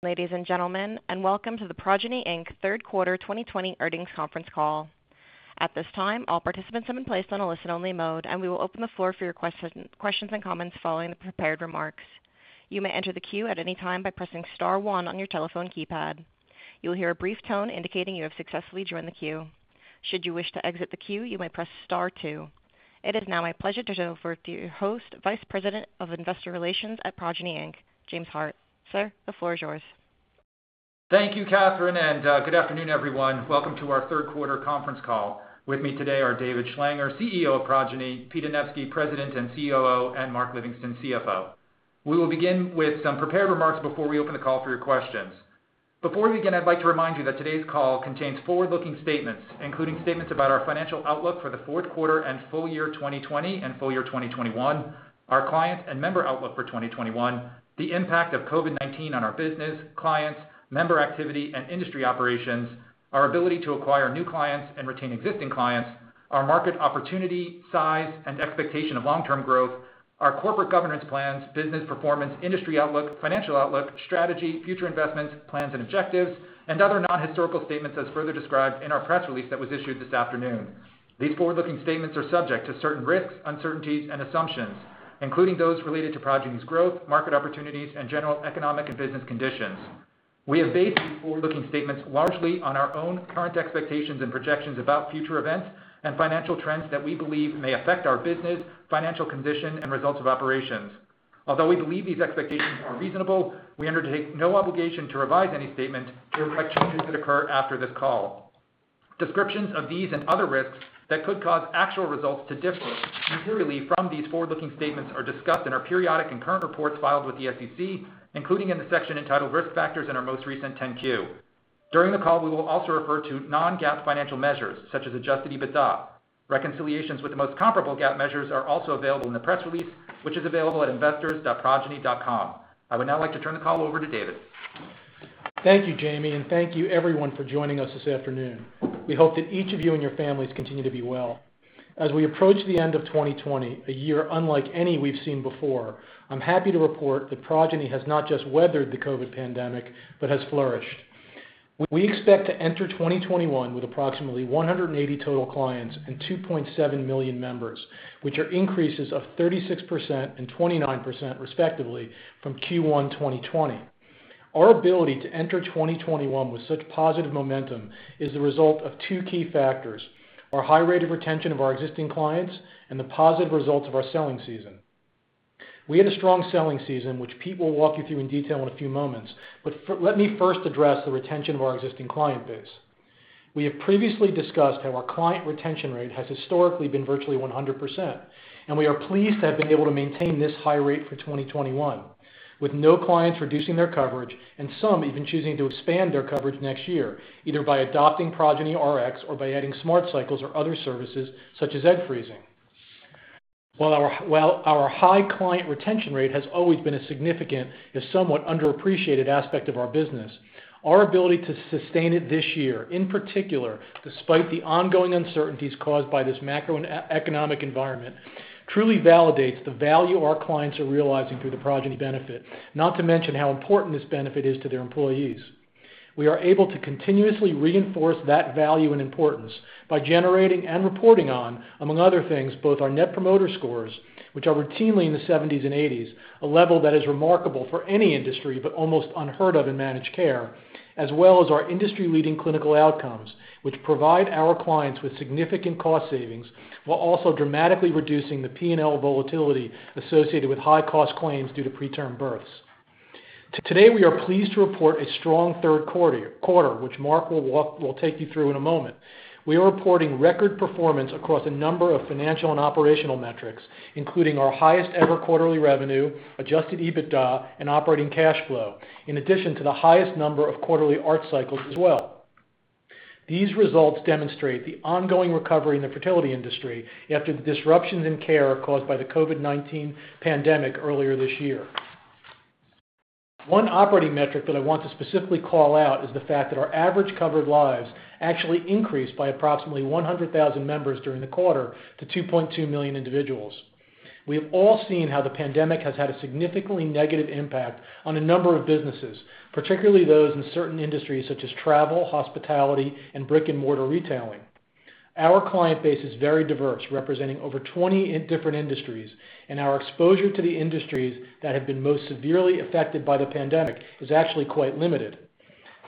Ladies and gentlemen, welcome to the Progyny, Inc. third quarter 2020 earnings conference call. At this time, all participants have been placed on a listen-only mode, and we will open the floor for your questions and comments following the prepared remarks. You may enter the queue at any time by pressing star one on your telephone keypad. You will hear a brief tone indicating you have successfully joined the queue. Should you wish to exit the queue, you may press star two. It is now my pleasure to turn over to your host, Vice President of Investor Relations at Progyny, Inc., James Hart. Sir, the floor is yours. Thank you, Catherine, and good afternoon, everyone. Welcome to our third quarter conference call. With me today are David Schlanger, CEO of Progyny, Pete Anevski, President and COO, and Mark Livingston, CFO. We will begin with some prepared remarks before we open the call for your questions. Before we begin, I'd like to remind you that today's call contains forward-looking statements, including statements about our financial outlook for the fourth quarter and full year 2020 and full year 2021, our client and member outlook for 2021, the impact of COVID-19 on our business, clients, member activity, and industry operations, our ability to acquire new clients and retain existing clients, our market opportunity, size, and expectation of long-term growth, our corporate governance plans, business performance, industry outlook, financial outlook, strategy, future investments, plans, and objectives, and other non-historical statements as further described in our press release that was issued this afternoon. These forward-looking statements are subject to certain risks, uncertainties, and assumptions, including those related to Progyny's growth, market opportunities, and general economic and business conditions. We have based these forward-looking statements largely on our own current expectations and projections about future events and financial trends that we believe may affect our business, financial condition, and results of operations. Although we believe these expectations are reasonable, we undertake no obligation to revise any statement to reflect changes that occur after this call. Descriptions of these and other risks that could cause actual results to differ materially from these forward-looking statements are discussed in our periodic and current reports filed with the SEC, including in the section entitled Risk Factors in our most recent 10-Q. During the call, we will also refer to non-GAAP financial measures, such as adjusted EBITDA. Reconciliations with the most comparable GAAP measures are also available in the press release, which is available at investors.progyny.com. I would now like to turn the call over to David. Thank you, James, and thank you everyone for joining us this afternoon. We hope that each of you and your families continue to be well. As we approach the end of 2020, a year unlike any we've seen before, I'm happy to report that Progyny has not just weathered the COVID pandemic but has flourished. We expect to enter 2021 with approximately 180 total clients and 2.7 million members, which are increases of 36% and 29%, respectively, from Q1 2020. Our ability to enter 2021 with such positive momentum is the result of two key factors: our high rate of retention of our existing clients and the positive results of our selling season. We had a strong selling season, which Pete will walk you through in detail in a few moments. Let me first address the retention of our existing client base. We have previously discussed how our client retention rate has historically been virtually 100%, and we are pleased to have been able to maintain this high rate for 2021, with no clients reducing their coverage and some even choosing to expand their coverage next year, either by adopting Progyny Rx or by adding Smart Cycle or other services such as egg freezing. While our high client retention rate has always been a significant, if somewhat underappreciated aspect of our business, our ability to sustain it this year, in particular despite the ongoing uncertainties caused by this macroeconomic environment, truly validates the value our clients are realizing through the Progyny benefit, not to mention how important this benefit is to their employees. We are able to continuously reinforce that value and importance by generating and reporting on, among other things, both our Net Promoter Score, which are routinely in the 70s and 80s, a level that is remarkable for any industry, but almost unheard of in managed care, as well as our industry-leading clinical outcomes, which provide our clients with significant cost savings while also dramatically reducing the P&L volatility associated with high-cost claims due to preterm births. Today, we are pleased to report a strong third quarter, which Mark will take you through in a moment. We are reporting record performance across a number of financial and operational metrics, including our highest-ever quarterly revenue, adjusted EBITDA, and operating cash flow. In addition to the highest number of quarterly ART cycles as well. These results demonstrate the ongoing recovery in the fertility industry after the disruptions in care caused by the COVID-19 pandemic earlier this year. One operating metric that I want to specifically call out is the fact that our average covered lives actually increased by approximately 100,000 members during the quarter to 2.2 million individuals. We have all seen how the pandemic has had a significantly negative impact on a number of businesses, particularly those in certain industries such as travel, hospitality, and brick-and-mortar retailing. Our client base is very diverse, representing over 20 different industries, and our exposure to the industries that have been most severely affected by the pandemic is actually quite limited.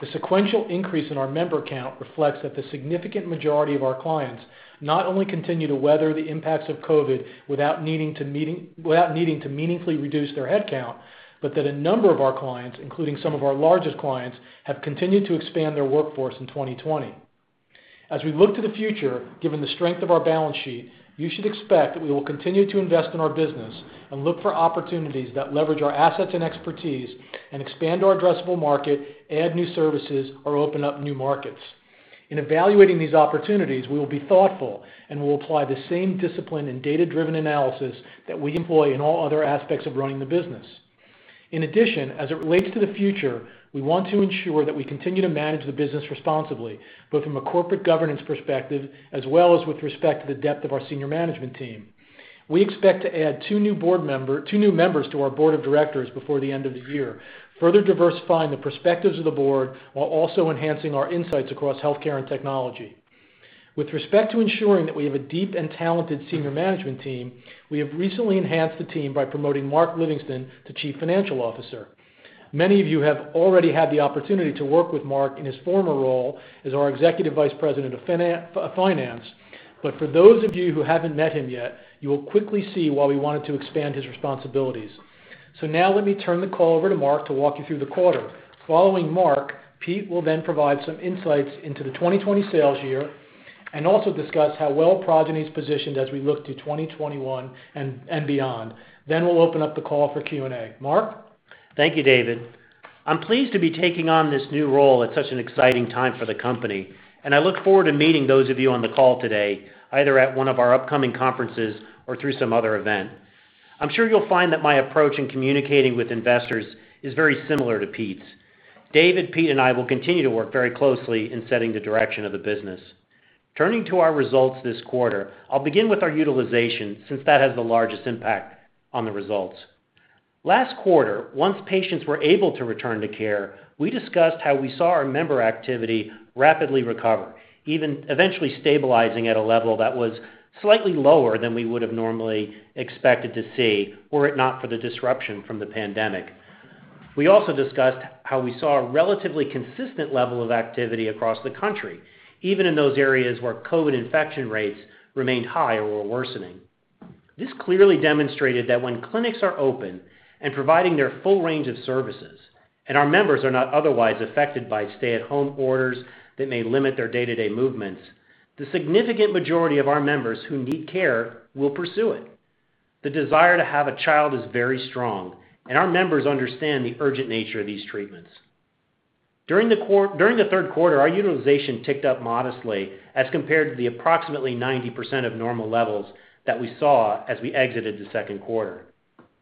The sequential increase in our member count reflects that the significant majority of our clients not only continue to weather the impacts of COVID without needing to meaningfully reduce their headcount, but that a number of our clients, including some of our largest clients, have continued to expand their workforce in 2020. As we look to the future, given the strength of our balance sheet, you should expect that we will continue to invest in our business and look for opportunities that leverage our assets and expertise and expand our addressable market, add new services, or open up new markets. In evaluating these opportunities, we will be thoughtful and will apply the same discipline and data-driven analysis that we employ in all other aspects of running the business. In addition, as it relates to the future, we want to ensure that we continue to manage the business responsibly, both from a corporate governance perspective as well as with respect to the depth of our senior management team. We expect to add two new members to our board of directors before the end of the year, further diversifying the perspectives of the board while also enhancing our insights across healthcare and technology. With respect to ensuring that we have a deep and talented senior management team, we have recently enhanced the team by promoting Mark Livingston to Chief Financial Officer. Many of you have already had the opportunity to work with Mark in his former role as our executive vice president of finance. For those of you who haven't met him yet, you will quickly see why we wanted to expand his responsibilities. Now let me turn the call over to Mark to walk you through the quarter. Following Mark, Pete will provide some insights into the 2020 sales year and also discuss how well Progyny is positioned as we look to 2021 and beyond. We'll open up the call for Q&A. Mark? Thank you, David. I'm pleased to be taking on this new role at such an exciting time for the company, and I look forward to meeting those of you on the call today, either at one of our upcoming conferences or through some other event. I'm sure you'll find that my approach in communicating with investors is very similar to Pete's. David, Pete, and I will continue to work very closely in setting the direction of the business. Turning to our results this quarter, I'll begin with our utilization, since that has the largest impact on the results. Last quarter, once patients were able to return to care, we discussed how we saw our member activity rapidly recover, even eventually stabilizing at a level that was slightly lower than we would have normally expected to see were it not for the disruption from the pandemic. We also discussed how we saw a relatively consistent level of activity across the country, even in those areas where COVID infection rates remained high or were worsening. This clearly demonstrated that when clinics are open and providing their full range of services, and our members are not otherwise affected by stay-at-home orders that may limit their day-to-day movements, the significant majority of our members who need care will pursue it. The desire to have a child is very strong, and our members understand the urgent nature of these treatments. During the third quarter, our utilization ticked up modestly as compared to the approximately 90% of normal levels that we saw as we exited the second quarter.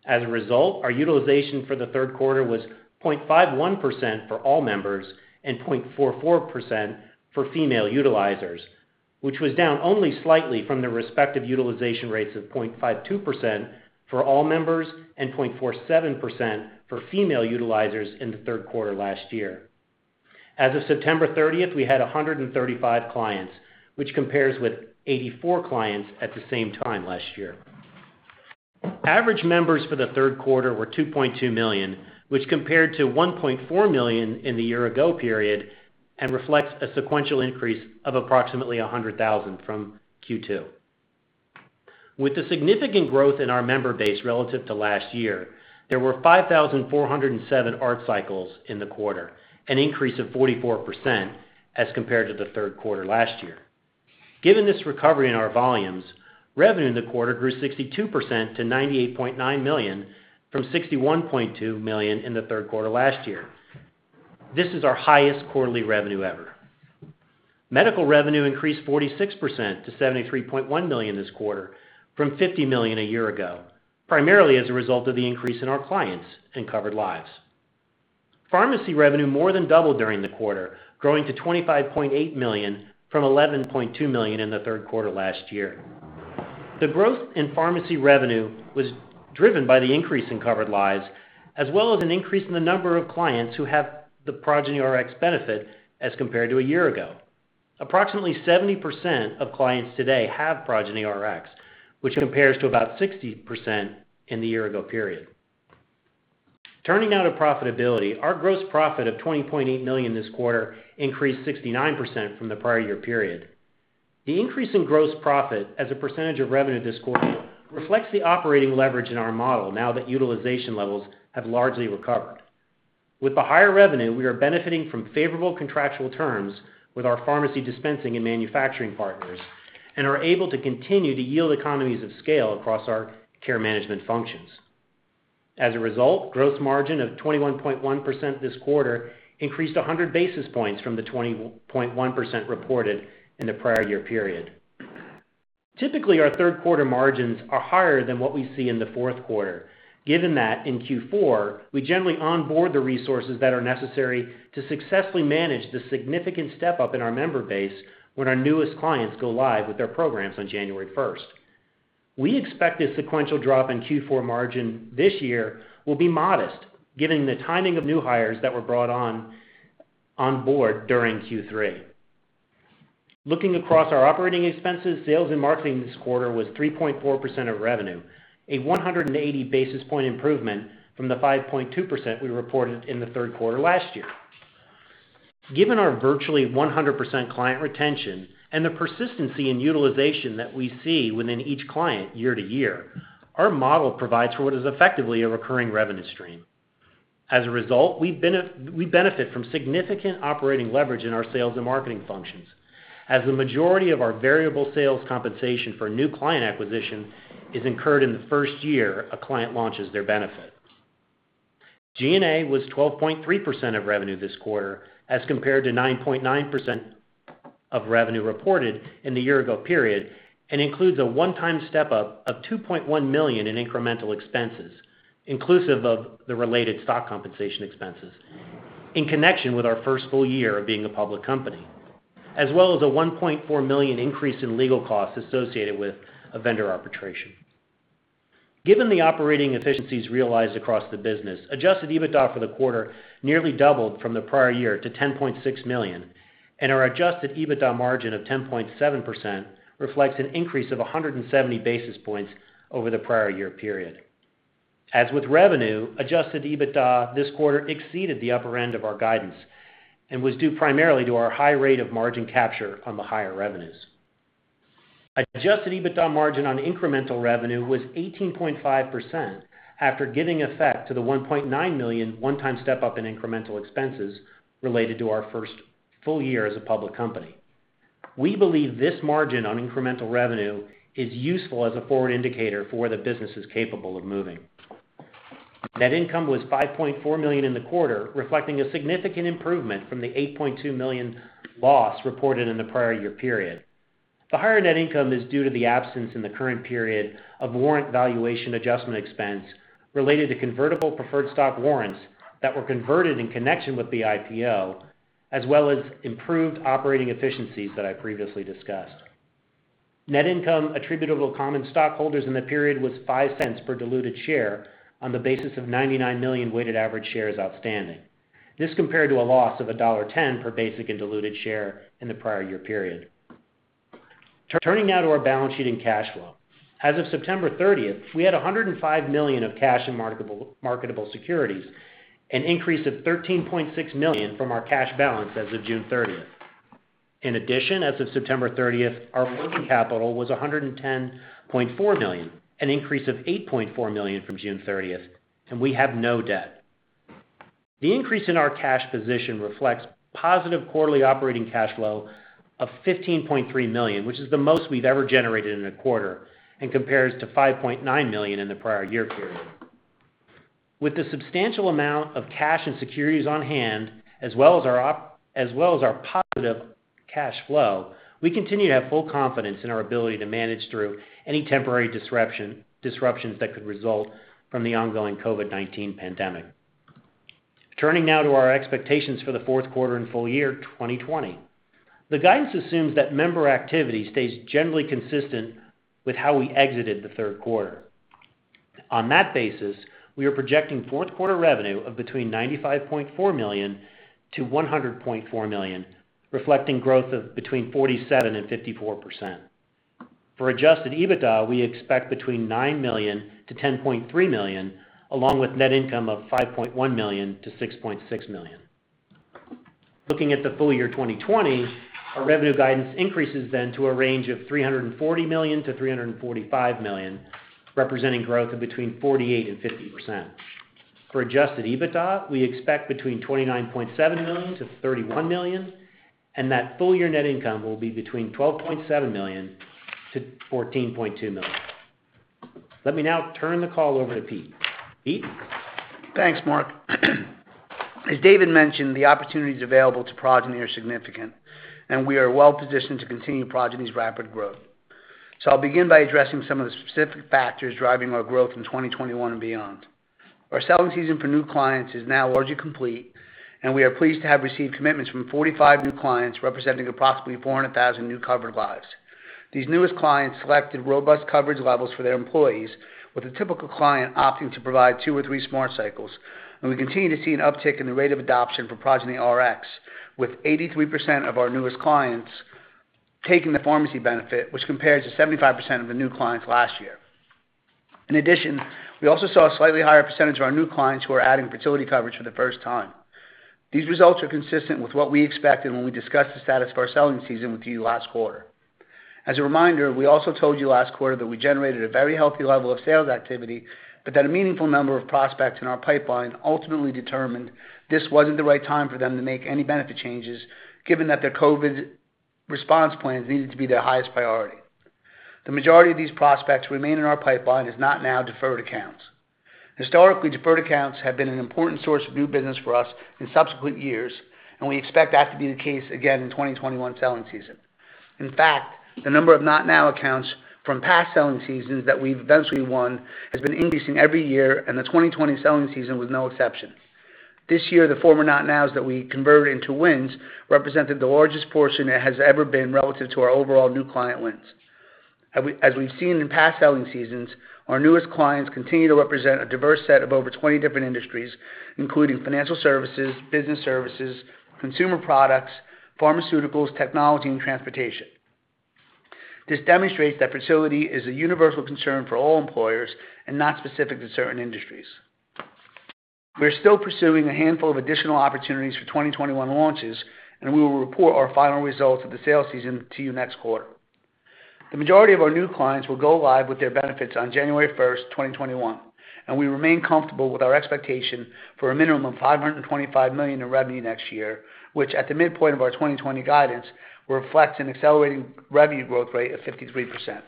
As a result, our utilization for the third quarter was 0.51% for all members and 0.44% for female utilizers, which was down only slightly from the respective utilization rates of 0.52% for all members and 0.47% for female utilizers in the third quarter last year. As of September 30th, we had 135 clients, which compares with 84 clients at the same time last year. Average members for the third quarter were 2.2 million, which compared to 1.4 million in the year-ago period and reflects a sequential increase of approximately 100,000 from Q2. With the significant growth in our member base relative to last year, there were 5,407 ART cycles in the quarter, an increase of 44% as compared to the third quarter last year. Given this recovery in our volumes, revenue in the quarter grew 62% to $98.9 million, from $61.2 million in the third quarter last year. This is our highest quarterly revenue ever. Medical revenue increased 46% to $73.1 million this quarter from $50 million a year ago, primarily as a result of the increase in our clients and covered lives. Pharmacy revenue more than doubled during the quarter, growing to $25.8 million from $11.2 million in the third quarter last year. The growth in pharmacy revenue was driven by the increase in covered lives, as well as an increase in the number of clients who have the Progyny Rx benefit as compared to a year ago. Approximately 70% of clients today have Progyny Rx, which compares to about 60% in the year-ago period. Turning now to profitability, our gross profit of $20.8 million this quarter increased 69% from the prior year period. The increase in gross profit as a percentage of revenue this quarter reflects the operating leverage in our model now that utilization levels have largely recovered. With the higher revenue, we are benefiting from favorable contractual terms with our pharmacy dispensing and manufacturing partners and are able to continue to yield economies of scale across our care management functions. As a result, gross margin of 21.1% this quarter increased 100 basis points from the 20.1% reported in the prior year period. Typically, our third quarter margins are higher than what we see in the fourth quarter, given that in Q4, we generally onboard the resources that are necessary to successfully manage the significant step-up in our member base when our newest clients go live with their programs on January 1st. We expect the sequential drop in Q4 margin this year will be modest, given the timing of new hires that were brought on board during Q3. Looking across our operating expenses, sales and marketing this quarter was 3.4% of revenue, a 180 basis point improvement from the 5.2% we reported in the third quarter last year. Given our virtually 100% client retention and the persistency in utilization that we see within each client year to year, our model provides for what is effectively a recurring revenue stream. As a result, we benefit from significant operating leverage in our sales and marketing functions, as the majority of our variable sales compensation for new client acquisition is incurred in the first year a client launches their benefit. G&A was 12.3% of revenue this quarter as compared to 9.9% of revenue reported in the year-ago period and includes a one-time step-up of $2.1 million in incremental expenses, inclusive of the related stock compensation expenses, in connection with our first full year of being a public company, as well as a $1.4 million increase in legal costs associated with a vendor arbitration. Given the operating efficiencies realized across the business, adjusted EBITDA for the quarter nearly doubled from the prior year to $10.6 million, and our adjusted EBITDA margin of 10.7% reflects an increase of 170 basis points over the prior year period. As with revenue, adjusted EBITDA this quarter exceeded the upper end of our guidance and was due primarily to our high rate of margin capture on the higher revenues. Adjusted EBITDA margin on incremental revenue was 18.5% after giving effect to the $1.9 million one-time step-up in incremental expenses related to our first full year as a public company. We believe this margin on incremental revenue is useful as a forward indicator for where the business is capable of moving. Net income was $5.4 million in the quarter, reflecting a significant improvement from the $8.2 million loss reported in the prior year period. The higher net income is due to the absence in the current period of warrant valuation adjustment expense related to convertible preferred stock warrants that were converted in connection with the IPO, as well as improved operating efficiencies that I previously discussed. Net income attributable to common stockholders in the period was $0.05 per diluted share on the basis of 99 million weighted average shares outstanding. This compared to a loss of $1.10 per basic and diluted share in the prior year period. Turning now to our balance sheet and cash flow. As of September 30th, we had $105 million of cash and marketable securities, an increase of $13.6 million from our cash balance as of June 30th. In addition, as of September 30th, our working capital was $110.4 million, an increase of $8.4 million from June 30th, and we have no debt. The increase in our cash position reflects positive quarterly operating cash flow of $15.3 million, which is the most we've ever generated in a quarter and compares to $5.9 million in the prior year period. With the substantial amount of cash and securities on hand, as well as our positive cash flow, we continue to have full confidence in our ability to manage through any temporary disruptions that could result from the ongoing COVID-19 pandemic. Turning now to our expectations for the fourth quarter and full year 2020. The guidance assumes that member activity stays generally consistent with how we exited the third quarter. On that basis, we are projecting fourth quarter revenue of between $95.4 million-$100.4 million, reflecting growth of between 47% and 54%. For adjusted EBITDA, we expect between $9 million-$10.3 million, along with net income of $5.1 million-$6.6 million. Looking at the full year 2020, our revenue guidance increases to a range of $340 million-$345 million, representing growth of between 48%-50%. For adjusted EBITDA, we expect between $29.7 million-$31 million, and that full year net income will be between $12.7 million-$14.2 million. Let me now turn the call over to Pete. Pete? Thanks, Mark. As David mentioned, the opportunities available to Progyny are significant, and we are well-positioned to continue Progyny's rapid growth. I'll begin by addressing some of the specific factors driving our growth in 2021 and beyond. Our selling season for new clients is now largely complete, and we are pleased to have received commitments from 45 new clients, representing approximately 400,000 new covered lives. These newest clients selected robust coverage levels for their employees, with a typical client opting to provide two or three Smart Cycles. We continue to see an uptick in the rate of adoption for Progyny Rx, with 83% of our newest clients taking the pharmacy benefit, which compares to 75% of the new clients last year. In addition, we also saw a slightly higher percentage of our new clients who are adding fertility coverage for the first time. These results are consistent with what we expected when we discussed the status of our selling season with you last quarter. As a reminder, we also told you last quarter that we generated a very healthy level of sales activity, but that a meaningful number of prospects in our pipeline ultimately determined this wasn't the right time for them to make any benefit changes, given that their COVID response plans needed to be their highest priority. The majority of these prospects remain in our pipeline as not now deferred accounts. Historically, deferred accounts have been an important source of new business for us in subsequent years, and we expect that to be the case again in 2021 selling season. In fact, the number of not now accounts from past selling seasons that we've eventually won has been increasing every year, and the 2020 selling season was no exception. This year, the former not nows that we converted into wins represented the largest portion it has ever been relative to our overall new client wins. As we've seen in past selling seasons, our newest clients continue to represent a diverse set of over 20 different industries, including financial services, business services, consumer products, pharmaceuticals, technology, and transportation. This demonstrates that fertility is a universal concern for all employers and not specific to certain industries. We are still pursuing a handful of additional opportunities for 2021 launches, and we will report our final results of the sales season to you next quarter. The majority of our new clients will go live with their benefits on January 1st, 2021, and we remain comfortable with our expectation for a minimum of $525 million in revenue next year, which at the midpoint of our 2020 guidance, reflects an accelerating revenue growth rate of 53%.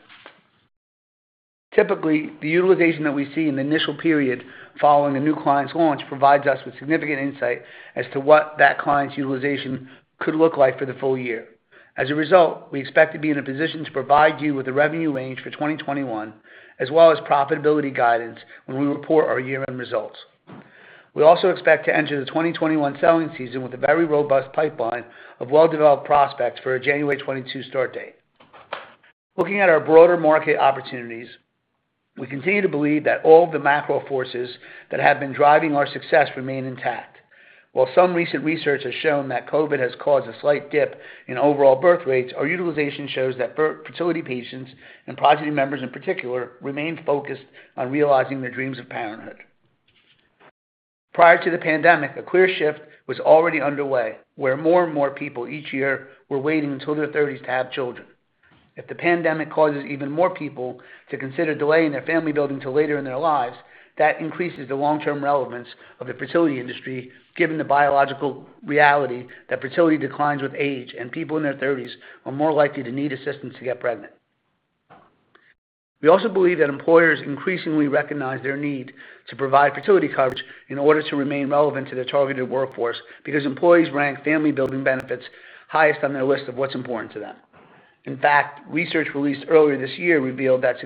Typically, the utilization that we see in the initial period following a new client's launch provides us with significant insight as to what that client's utilization could look like for the full year. As a result, we expect to be in a position to provide you with the revenue range for 2021, as well as profitability guidance when we report our year-end results. We also expect to enter the 2021 selling season with a very robust pipeline of well-developed prospects for a January 2022 start date. Looking at our broader market opportunities, we continue to believe that all the macro forces that have been driving our success remain intact. While some recent research has shown that COVID has caused a slight dip in overall birth rates, our utilization shows that fertility patients and Progyny members in particular, remain focused on realizing their dreams of parenthood. Prior to the pandemic, a clear shift was already underway, where more and more people each year were waiting until their 30s to have children. If the pandemic causes even more people to consider delaying their family-building till later in their lives, that increases the long-term relevance of the fertility industry, given the biological reality that fertility declines with age and people in their 30s are more likely to need assistance to get pregnant. We also believe that employers increasingly recognize their need to provide fertility coverage in order to remain relevant to their targeted workforce, because employees rank family-building benefits highest on their list of what's important to them. In fact, research released earlier this year revealed that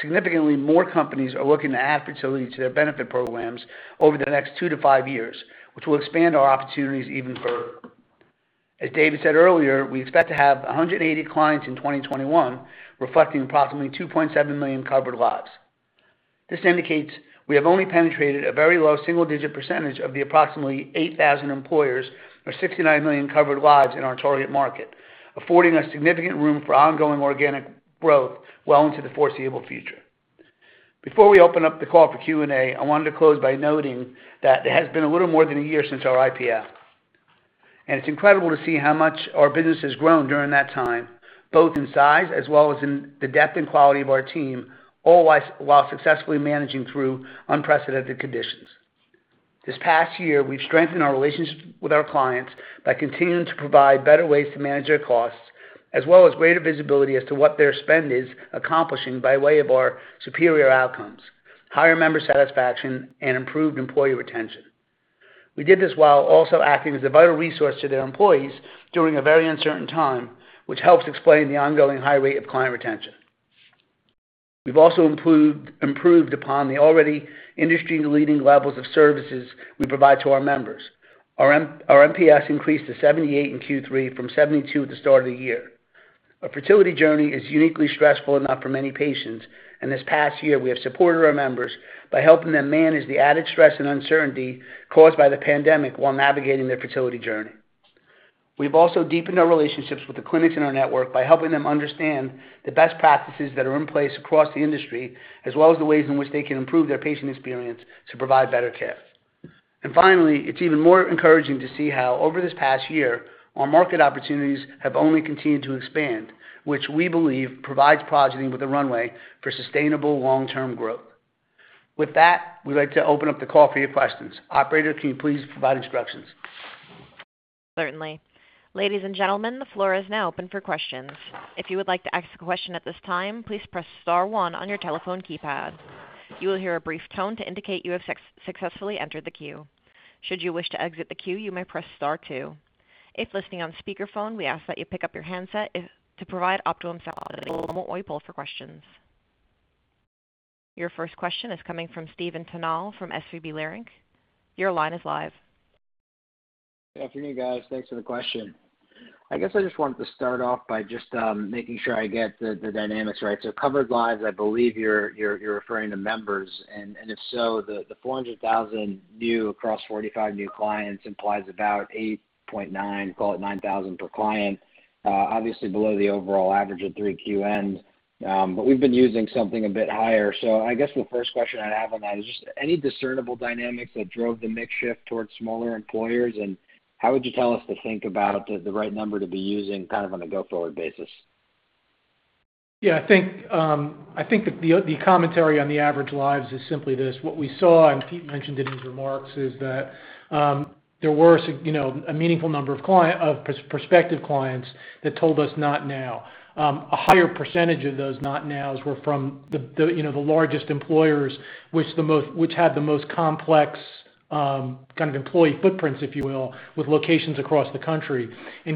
significantly more companies are looking to add fertility to their benefit programs over the next two to five years, which will expand our opportunities even further. As David said earlier, we expect to have 180 clients in 2021, reflecting approximately 2.7 million covered lives. This indicates we have only penetrated a very low single-digit percentage of the approximately 8,000 employers or 69 million covered lives in our target market, affording us significant room for ongoing organic growth well into the foreseeable future. Before we open up the call for Q&A, I wanted to close by noting that it has been a little more than a year since our IPO. It's incredible to see how much our business has grown during that time, both in size as well as in the depth and quality of our team, all while successfully managing through unprecedented conditions. This past year, we've strengthened our relationships with our clients by continuing to provide better ways to manage their costs, as well as greater visibility as to what their spend is accomplishing by way of our superior outcomes, higher member satisfaction, and improved employee retention. We did this while also acting as a vital resource to their employees during a very uncertain time, which helps explain the ongoing high rate of client retention. We've also improved upon the already industry-leading levels of services we provide to our members. Our NPS increased to 78 in Q3 from 72 at the start of the year. A fertility journey is uniquely stressful enough for many patients, this past year, we have supported our members by helping them manage the added stress and uncertainty caused by the pandemic while navigating their fertility journey. We've also deepened our relationships with the clinics in our network by helping them understand the best practices that are in place across the industry, as well as the ways in which they can improve their patient experience to provide better care. Finally, it's even more encouraging to see how over this past year, our market opportunities have only continued to expand, which we believe provides Progyny with a runway for sustainable long-term growth. With that, we'd like to open up the call for your questions. Operator, can you please provide instructions? Certainly. Ladies and gentlemen, the floor is now open for questions. If you would like to ask a question at this time, please press star one on your telephone keypad. You will hear a brief tone to indicate you have successfully entered the queue. Should you wish to exit the queue, you may press star two. If listening on speakerphone, we ask that you pick up your handset to provide optimum sound. I will now open the floor for questions. Your first question is coming from Stephen Tanal from SVB Leerink. Your line is live. Good afternoon, guys. Thanks for the question. I guess I just wanted to start off by just making sure I get the dynamics right. Covered lives, I believe you're referring to members, and if so, the 400,000 new across 45 new clients implies about 8.9, call it 9,000 per client. Obviously below the overall average of 3QNs. We've been using something a bit higher. I guess the first question I'd have on that is just any discernible dynamics that drove the mix shift towards smaller employers, and how would you tell us to think about the right number to be using on a go-forward basis? Yeah, I think the commentary on the average lives is simply this. What we saw, and Pete mentioned it in his remarks, is that there were a meaningful number of prospective clients that told us not now. A higher % of those not nows were from the largest employers, which had the most complex kind of employee footprints, if you will, with locations across the country.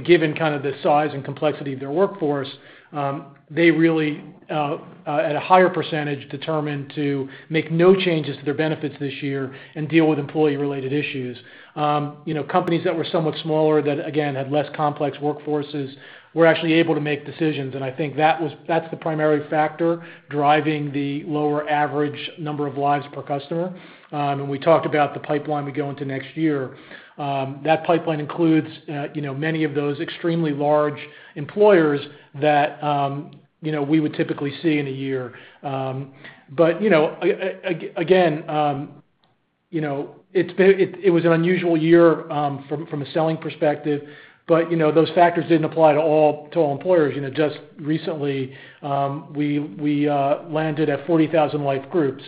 Given the size and complexity of their workforce, they really at a higher %, determined to make no changes to their benefits this year and deal with employee-related issues. Companies that were somewhat smaller, that again, had less complex workforces, were actually able to make decisions, and I think that's the primary factor driving the lower average number of lives per customer. When we talked about the pipeline we go into next year, that pipeline includes many of those extremely large employers that we would typically see in a year. Again, it was an unusual year from a selling perspective, but those factors didn't apply to all employers. Just recently, we landed a 40,000 life group.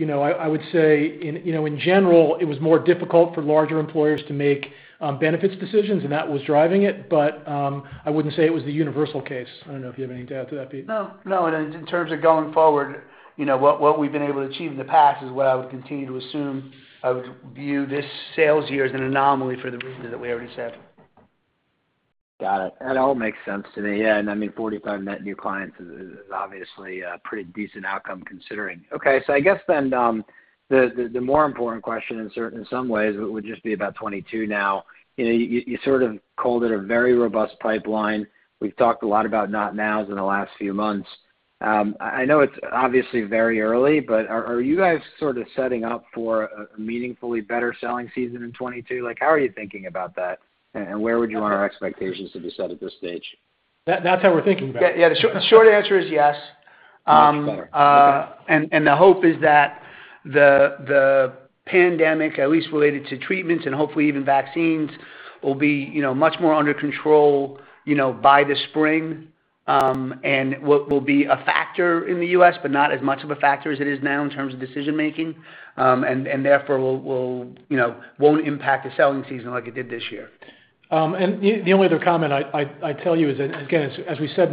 I would say, in general, it was more difficult for larger employers to make benefits decisions, and that was driving it. I wouldn't say it was the universal case. I don't know if you have anything to add to that, Pete. No. In terms of going forward, what we've been able to achieve in the past is what I would continue to assume. I would view this sales year as an anomaly for the reasons that we already said. Got it. That all makes sense to me. Yeah. 45 net new clients is obviously a pretty decent outcome considering. I guess then the more important question in some ways would just be about 2022 now. You sort of called it a very robust pipeline. We've talked a lot about not nows in the last few months. I know it's obviously very early, but are you guys sort of setting up for a meaningfully better selling season in 2022? How are you thinking about that, and where would you want our expectations to be set at this stage? That's how we're thinking about it. Yeah. The short answer is yes. Much better. Okay. The hope is that the pandemic, at least related to treatments and hopefully even vaccines, will be much more under control by the spring, and will be a factor in the U.S., but not as much of a factor as it is now in terms of decision-making. Therefore, won't impact the selling season like it did this year. The only other comment I'd tell you is that, again, as we said in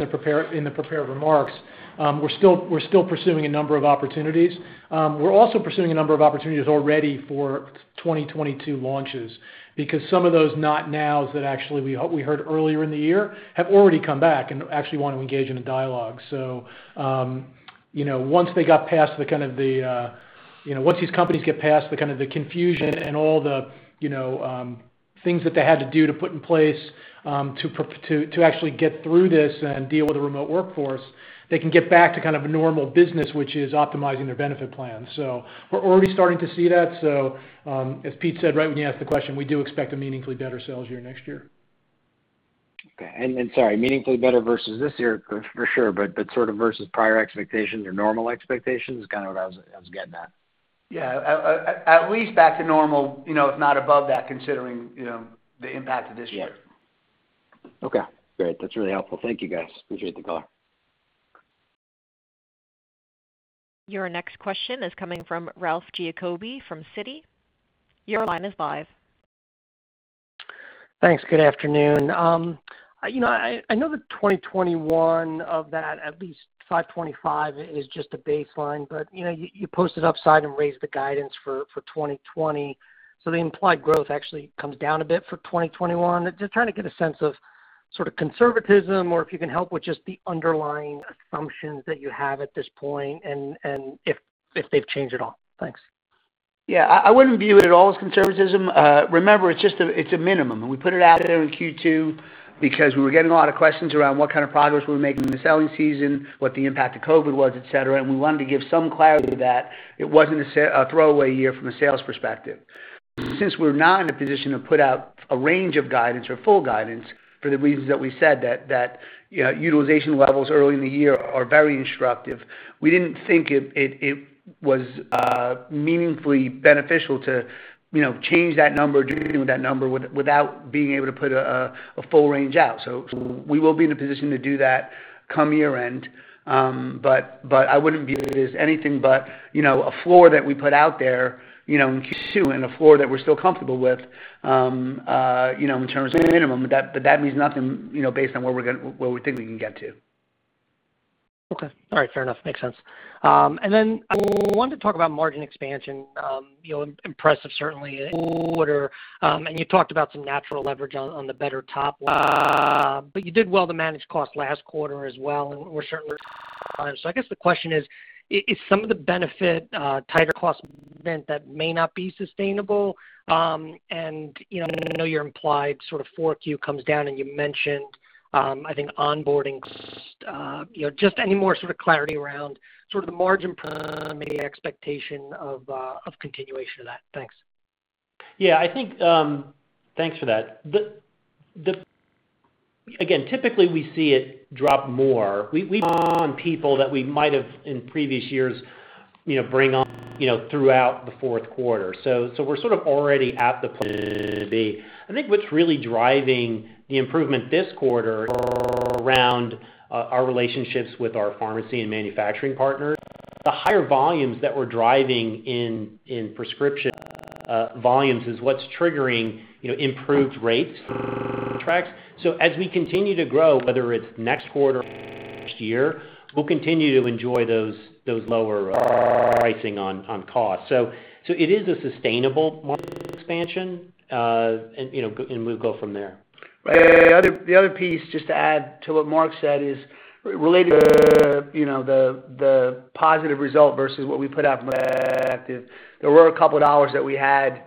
the prepared remarks, we're still pursuing a number of opportunities. We're also pursuing a number of opportunities already for 2022 launches, because some of those not nows that actually we heard earlier in the year have already come back and actually want to engage in a dialogue. Once these companies get past the kind of the confusion and all the things that they had to do to put in place to actually get through this and deal with a remote workforce, they can get back to kind of a normal business, which is optimizing their benefit plan. We're already starting to see that. As Pete said right when you asked the question, we do expect a meaningfully better sales year next year. Okay. Sorry, meaningfully better versus this year for sure, but sort of versus prior expectations or normal expectations is kind of what I was getting at. Yeah. At least back to normal, if not above that, considering the impact of this year. Yeah. Okay, great. That's really helpful. Thank you, guys. Appreciate the call. Your next question is coming from Ralph Giacobbe from Citi. Your line is live. Thanks. Good afternoon. I know that 2021, of that, at least $525 is just a baseline. You posted upside and raised the guidance for 2020. The implied growth actually comes down a bit for 2021. Just trying to get a sense of sort of conservatism or if you can help with just the underlying assumptions that you have at this point and if they've changed at all. Thanks. I wouldn't view it at all as conservatism. Remember, it's a minimum, and we put it out there in Q2 because we were getting a lot of questions around what kind of progress we were making in the selling season, what the impact of COVID was, et cetera, and we wanted to give some clarity that it wasn't a throwaway year from a sales perspective. Since we're not in a position to put out a range of guidance or full guidance, for the reasons that we said, that utilization levels early in the year are very instructive, we didn't think it was meaningfully beneficial to change that number or do anything with that number without being able to put a full range out. We will be in a position to do that come year-end. I wouldn't view it as anything but a floor that we put out there, in Q2, and a floor that we're still comfortable with, in terms of a minimum, but that means nothing, based on where we think we can get to. Okay. All right. Fair enough. Makes sense. I wanted to talk about margin expansion. Impressive, certainly quarter. You talked about some natural leverage on the better top line. You did well to manage cost last quarter as well. I guess the question is some of the benefit tighter cost event that may not be sustainable? I know your implied sort of 4Q comes down, and you mentioned, I think, onboarding just any more sort of clarity around sort of the margin expectation of continuation of that. Thanks. I think, thanks for that. Again, typically we see it drop more. We bring on people that we might have in previous years, bring on, throughout the fourth quarter. We're sort of already at the place we. I think what's really driving the improvement this quarter around our relationships with our pharmacy and manufacturing partners. The higher volumes that we're driving in prescription volumes is what's triggering improved rates contracts. As we continue to grow, whether it's next quarter or next year, we'll continue to enjoy those lower pricing on costs. It is a sustainable margin expansion, and we'll go from there. The other piece, just to add to what Mark said, is related to the positive result versus what we put out. There were a couple of dollars that we had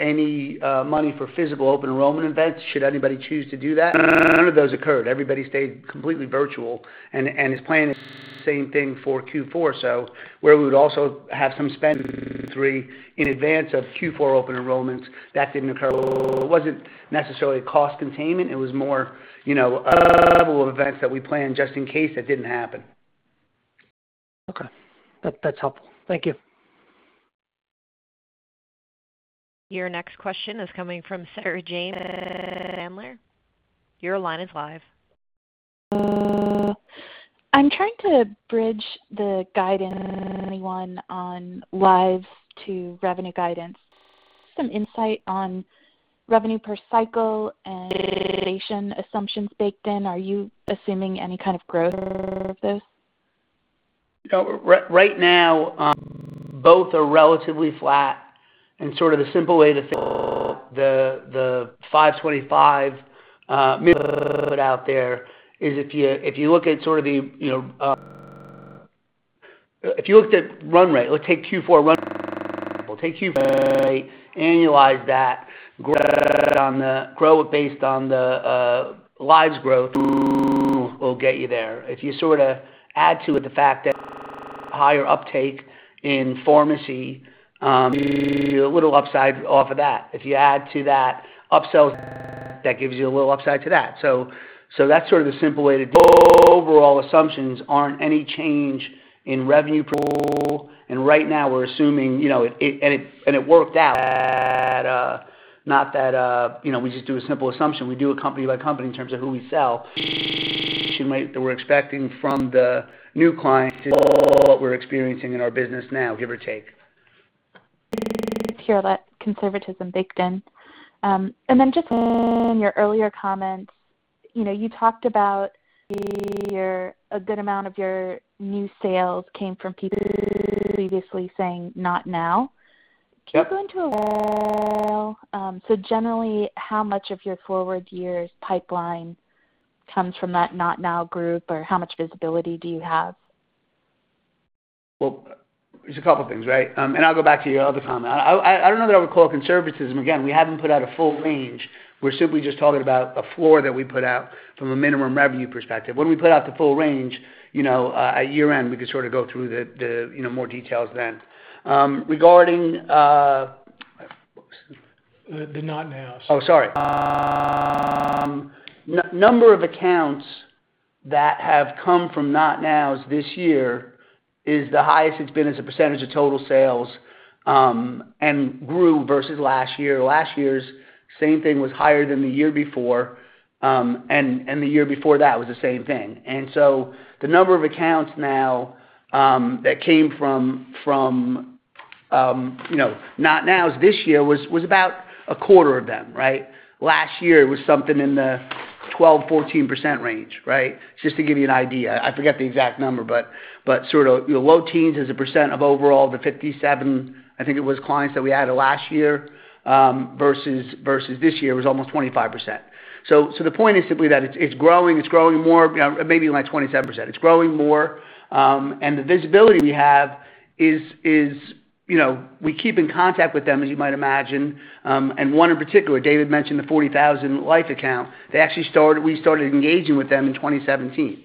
in any money for physical open enrollment events, should anybody choose to do that. None of those occurred. Everybody stayed completely virtual and is planning the same thing for Q4. Where we would also have some spend in advance of Q4 open enrollments, that didn't occur. It wasn't necessarily cost containment, it was more of events that we planned just in case that didn't happen. Okay. That's helpful. Thank you. Your next question is coming from Sarah James from Cantor Fitzgerald. Your line is live. I'm trying to bridge the guidance on lives to revenue guidance. Some insight on revenue per cycle and assumptions baked in. Are you assuming any kind of growth of this? Right now, both are relatively flat and sort of the simple way to think about the $525 million we put out there is if you looked at run rate, let's take Q4 run rate, annualize that, grow it based on the lives growth will get you there. If you add to it the fact that higher uptake in pharmacy, gives you a little upside off of that. If you add to that upsells, that gives you a little upside to that. That's sort of the simple way to do it. Our overall assumptions aren't any change in revenue per enrollee, and right now we're assuming, and it worked out that not that we just do a simple assumption. We do a company by company in terms of who we sell. That we're expecting from the new clients is about what we're experiencing in our business now, give or take. Hear that conservatism baked in. Just in your earlier comments, you talked about a good amount of your new sales came from people previously saying, "Not now. Yeah. Generally, how much of your forward years pipeline comes from that Not Now group, or how much visibility do you have? Well, there's a couple things, right? I'll go back to your other comment. I don't know that I would call it conservatism. Again, we haven't put out a full range. We're simply just talking about a floor that we put out from a minimum revenue perspective. When we put out the full range, at year-end, we could go through more details then. The Not Nows. Oh, sorry. Number of accounts that have come from Not Nows this year is the highest it's been as a % of total sales, and grew versus last year. Last year's, same thing, was higher than the year before, and the year before that was the same thing. The number of accounts now, that came from Not Nows this year was about a quarter of them, right? Last year, it was something in the 12, 14% range, right? Just to give you an idea. I forget the exact number, but sort of low teens as a percent of overall, the 57, I think it was, clients that we added last year, versus this year was almost 25%. The point is simply that it's growing more, maybe like 27%. It's growing more, and the visibility we have is, we keep in contact with them, as you might imagine. One in particular, David mentioned the 40,000 life account. We started engaging with them in 2017.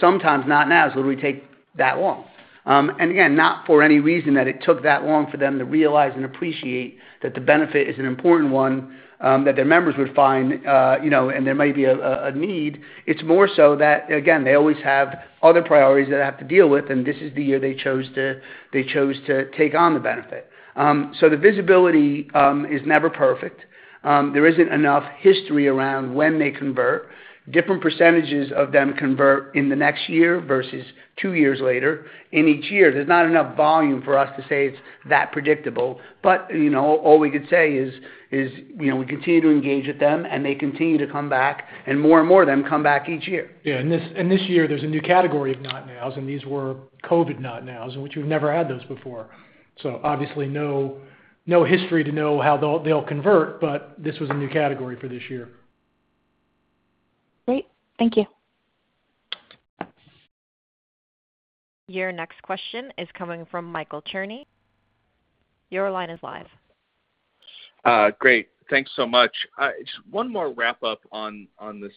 Sometimes Not Nows literally take that long. Again, not for any reason that it took that long for them to realize and appreciate that the benefit is an important one, that their members would find, and there may be a need. It's more so that, again, they always have other priorities that they have to deal with, and this is the year they chose to take on the benefit. The visibility is never perfect. There isn't enough history around when they convert. Different percentages of them convert in the next year versus two years later. In each year, there's not enough volume for us to say it's that predictable. All we can say is we continue to engage with them, and they continue to come back, and more and more of them come back each year. Yeah, this year there's a new category of Not Nows, and these were COVID Not Nows, in which we've never had those before. Obviously no history to know how they'll convert, but this was a new category for this year. Great. Thank you. Your next question is coming from Michael Cherny. Your line is live. Great. Thanks so much. Just one more wrap up on this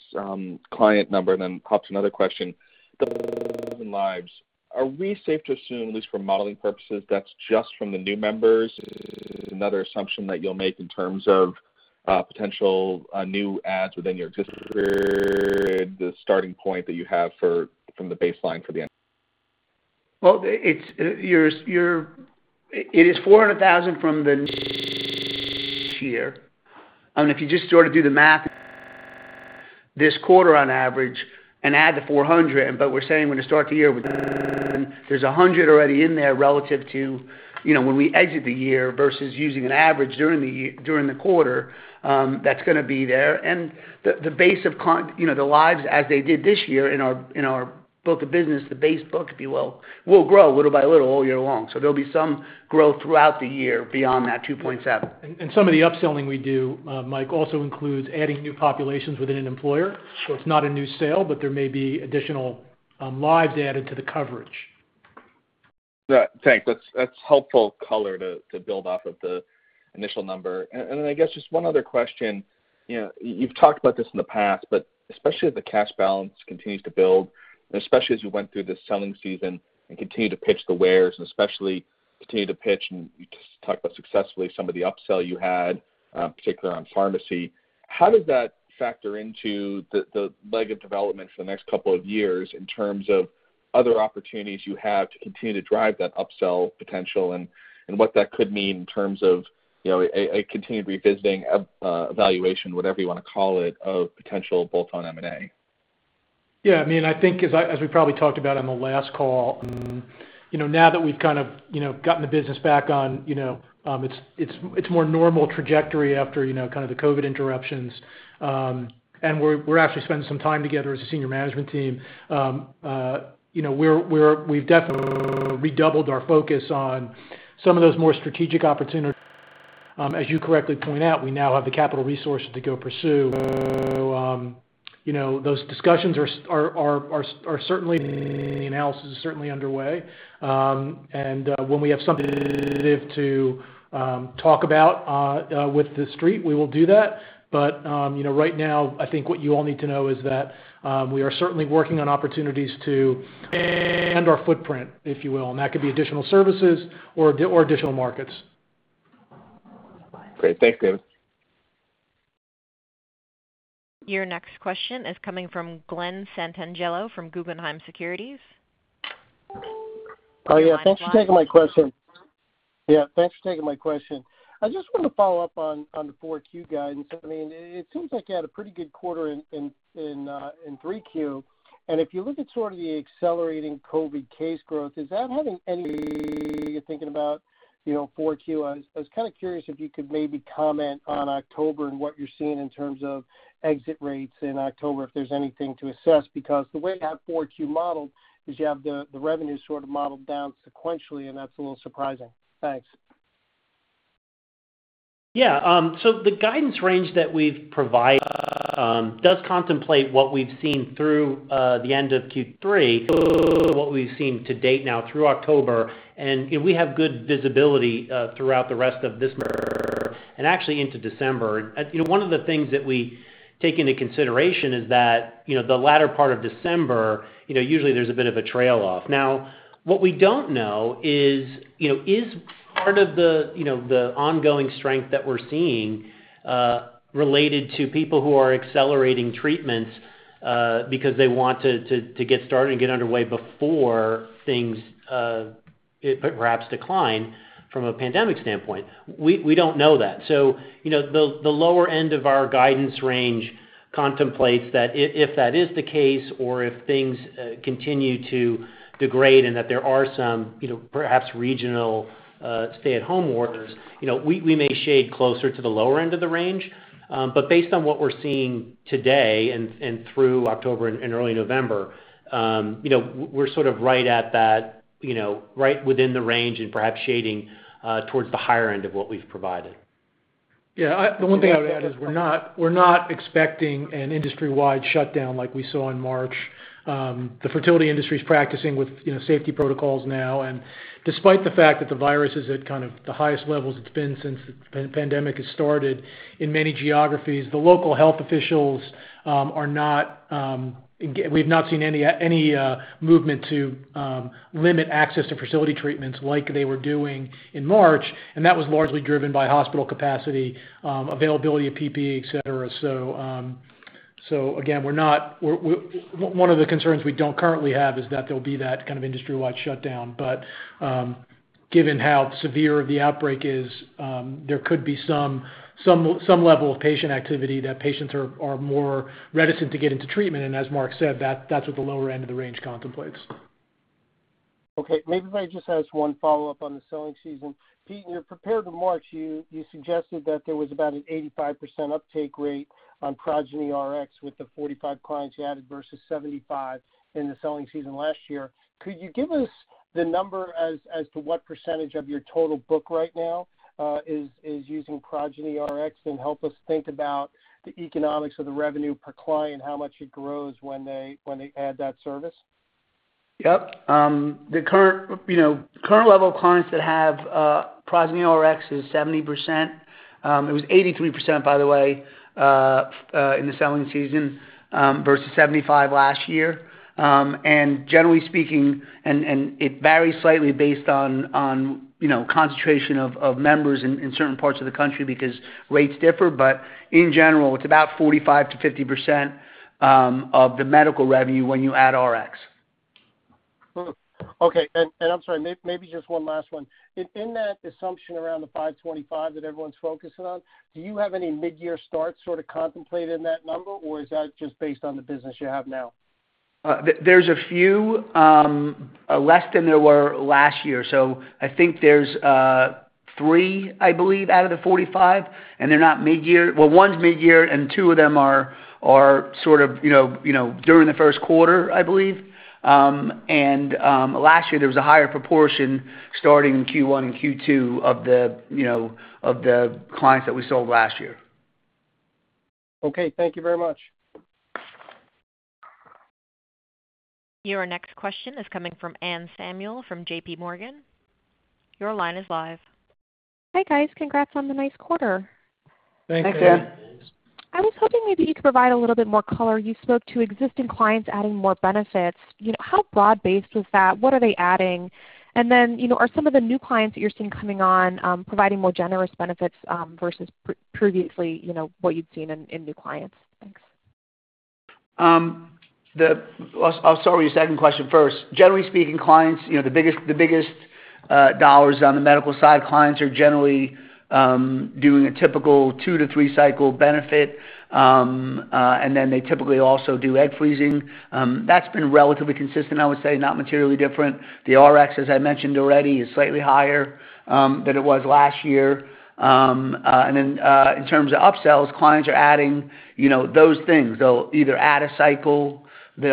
client number, and then pops another question. The lives, are we safe to assume, at least for modeling purposes, that's just from the new members? Is it another assumption that you'll make in terms of potential new adds within your existing period, the starting point that you have from the baseline for the end? Well, it is 400,000 from the new this year. If you just sort of do the math this quarter on average and add the 400, but we're saying we're going to start the year with 300, there's 100 already in there relative to when we exit the year versus using an average during the quarter, that's going to be there. The base of the lives as they did this year in our book of business, the base book, if you will grow little by little all year long. There'll be some growth throughout the year beyond that 2.7. Some of the upselling we do, Mike, also includes adding new populations within an employer. It's not a new sale, but there may be additional lives added to the coverage. Yeah. Thanks. That's helpful color to build off of the initial number. Then I guess just one other question. You've talked about this in the past, but especially as the cash balance continues to build, and especially as you went through this selling season and continue to pitch the wares and especially continue to pitch, and you just talked about successfully some of the upsell you had, particularly on pharmacy. How does that factor into the leg of development for the next couple of years in terms of other opportunities you have to continue to drive that upsell potential and what that could mean in terms of a continued revisiting, evaluation, whatever you want to call it, of potential bolt-on M&A? I think as we probably talked about on the last call, now that we've kind of gotten the business back on its more normal trajectory after kind of the COVID interruptions, and we're actually spending some time together as a senior management team. We've definitely redoubled our focus on some of those more strategic opportunities. As you correctly point out, we now have the capital resources to go pursue. Those discussions are certainly the analysis is certainly underway. When we have something to talk about with the street, we will do that. Right now, I think what you all need to know is that we are certainly working on opportunities to our footprint, if you will, and that could be additional services or additional markets. Great. Thanks, David. Your next question is coming from Glen Santangelo from Guggenheim Securities. Your line is live. Yeah, thanks for taking my question. I just want to follow up on the 4Q guidance. It seems like you had a pretty good quarter in 3Q. If you look at sort of the accelerating COVID case growth, is that having any you're thinking about, 4Q? I was kind of curious if you could maybe comment on October and what you're seeing in terms of exit rates in October, if there's anything to assess, because the way I have 4Q modeled is you have the revenue sort of modeled down sequentially, and that's a little surprising. Thanks. Yeah. The guidance range that we've provided, does contemplate what we've seen through the end of Q3 what we've seen to date now through October, and we have good visibility throughout the rest of this and actually into December. One of the things that we take into consideration is that the latter part of December, usually there's a bit of a trail off. What we don't know is part of the ongoing strength that we're seeing related to people who are accelerating treatments because they want to get started and get underway before things perhaps decline from a pandemic standpoint. We don't know that. The lower end of our guidance range contemplates that if that is the case or if things continue to degrade and that there are some perhaps regional stay-at-home orders, we may shade closer to the lower end of the range. Based on what we're seeing today and through October and early November, we're sort of right within the range and perhaps shading towards the higher end of what we've provided. Yeah. The one thing I would add is we are not expecting an industry-wide shutdown like we saw in March. Despite the fact that the virus is at the highest levels it has been since the pandemic has started in many geographies, the local health officials, we have not seen any movement to limit access to fertility treatments like they were doing in March. That was largely driven by hospital capacity, availability of PPE, et cetera. Again, one of the concerns we do not currently have is that there will be that kind of industry-wide shutdown. Given how severe the outbreak is, there could be some level of patient activity that patients are more reticent to get into treatment. As Mark said, that is what the lower end of the range contemplates. Okay. Maybe if I just ask one follow-up on the selling season. Pete, in your prepared remarks, you suggested that there was about an 85% uptake rate on Progyny Rx with the 45 clients you added versus 75 in the selling season last year. Could you give us the number as to what percentage of your total book right now is using Progyny Rx, and help us think about the economics of the revenue per client, how much it grows when they add that service? Yep. The current level of clients that have Progyny Rx is 70%. It was 83%, by the way, in the selling season, versus 75 last year. Generally speaking, and it varies slightly based on concentration of members in certain parts of the country because rates differ. In general, it's about 45%-50% of the medical revenue when you add Rx. Okay. I'm sorry, maybe just one last one. In that assumption around the 525 that everyone's focusing on, do you have any mid-year starts sort of contemplated in that number, or is that just based on the business you have now? There's a few, less than there were last year. I think there's three, I believe, out of the 45, and they're not mid-year. Well, one's mid-year and two of them are sort of during the first quarter, I believe. Last year, there was a higher proportion starting in Q1 and Q2 of the clients that we sold last year. Okay. Thank you very much. Your next question is coming from Anne Samuel from JPMorgan. Your line is live. Hi, guys. Congrats on the nice quarter. Thank you. Thanks. I was hoping maybe you could provide a little bit more color. You spoke to existing clients adding more benefits. How broad-based was that? What are they adding? Are some of the new clients that you're seeing coming on providing more generous benefits versus previously what you've seen in new clients? Thanks. I'll start with your second question first. Generally speaking, the biggest dollars on the medical side, clients are generally doing a typical two to three cycle benefit, and then they typically also do egg freezing. That's been relatively consistent, I would say, not materially different. The Rx, as I mentioned already, is slightly higher than it was last year. Then in terms of upsells, clients are adding those things. They'll either add a cycle. Rx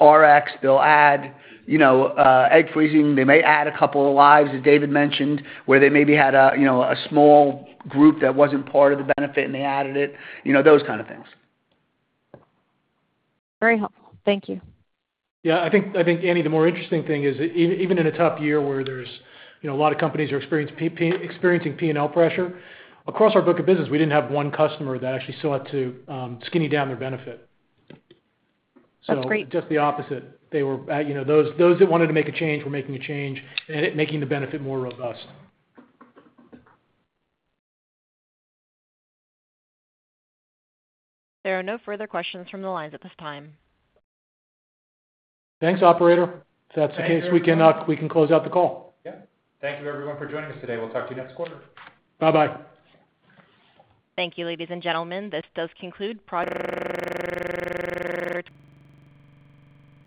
Rx, they'll add egg freezing. They may add a couple of lives, as David mentioned, where they maybe had a small group that wasn't part of the benefit and they added it, those kind of things. Very helpful. Thank you. Yeah, I think, Anne, the more interesting thing is even in a tough year where there's a lot of companies are experiencing P&L pressure, across our book of business, we didn't have one customer that actually sought to skinny down their benefit. That's great. Just the opposite. Those that wanted to make a change were making a change and making the benefit more robust. There are no further questions from the lines at this time. Thanks, operator. If that's the case, we can close out the call. Yeah. Thank you everyone for joining us today. We'll talk to you next quarter. Bye-bye. Thank you, ladies and gentlemen. This does conclude Progyny's.